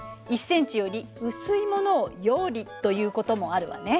１ｃｍより薄いものを葉理ということもあるわね。